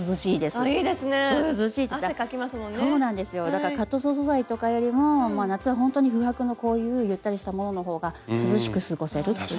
だからカットソー素材とかよりも夏はほんとに布帛のこういうゆったりしたものの方が涼しく過ごせるっていう。